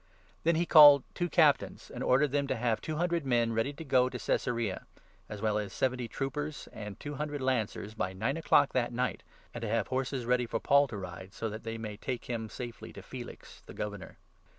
Then he called two Captains, and ordered 23 Paul sent them to have two hundred men ready to go to to Caesarea, as well as seventy troopers and two caesarea. hundred lancers, by nine o'clock that night, and 24 to have horses ready for Paul to ride, so that they might take him safely to Felix, the Governor.